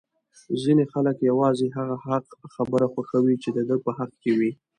ځینی خلک یوازی هغه حق خبره خوښوي چې د ده په حق کي وی!